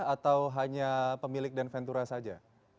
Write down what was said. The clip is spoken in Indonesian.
atau hanya pemilik dan ventura saja